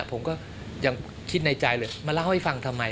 ผมก็ยังคิดในใจเลยมาเล่าให้ฟังทำไม